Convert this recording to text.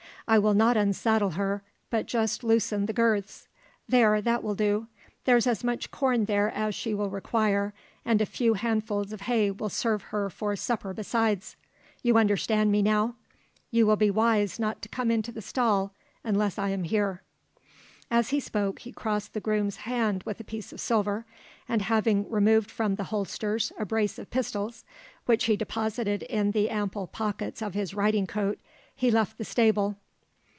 I will not unsaddle her, but just loosen the girths. There, that will do. There's as much corn there as she will require, and a few handfuls of hay will serve her for supper besides. You understand me now? You will be wise not to come into the stall unless I am here." As he spoke, he crossed the groom's hand with a piece of silver, and having removed from the holsters a brace of pistols, which he deposited in the ample pockets of his riding coat, he left the stable.